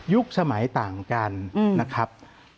สมัยต่างกันนะครับ